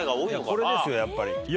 これですよやっぱり。